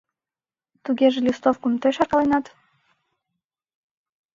— Тугеже листовкым тый шаркаленат?